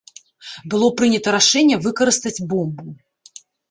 Было прынята рашэнне выкарыстаць бомбу.